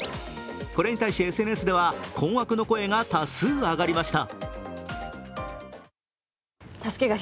これに対しＳＮＳでは困惑の声が多数上がりました。